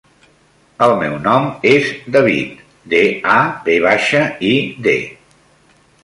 El meu nom és David: de, a, ve baixa, i, de.